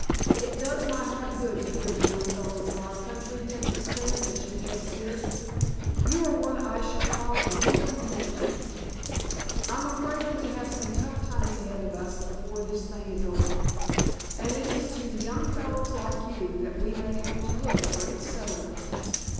It does my heart good to hear the young fellows of our country take the stand that you just did. You are what I should call a real American. I'm afraid we have some tough times ahead of us before this thing is over, and it is to the young fellows like you that we may have to look for its settlement."